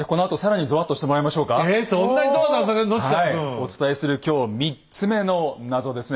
お伝えする今日３つ目の謎ですね。